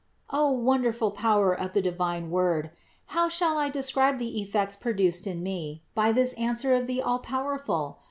26. O wonderful power of the divine word! How shall I describe the effects produced in me by this answer of the Allpowerful?